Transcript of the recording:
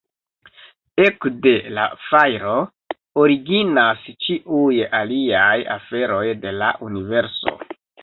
Ekde la "fajro" originas ĉiuj aliaj aferoj de la universo.